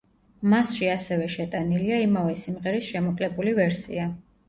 მასში ასევე შეტანილია იმავე სიმღერის შემოკლებული ვერსია.